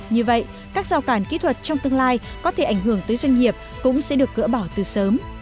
như vậy các rào cản kỹ thuật trong tương lai có thể ảnh hưởng tới doanh nghiệp cũng sẽ được gỡ bỏ từ sớm